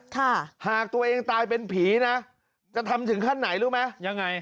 หากตัวเองตายเป็นผีนะจะทำถึงขั้นไหนรู้ไหมยังไง